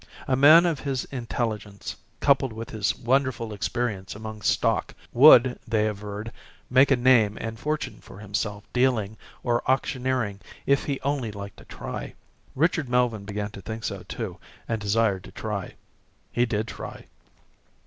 A man of his intelligence, coupled with his wonderful experience among stock, would, they averred, make a name and fortune for himself dealing or auctioneering if he only liked to try. Richard Melvyn began to think so too, and desired to try. He did try.